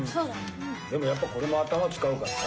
でもやっぱこれも頭使うからね。